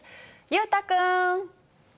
裕太君。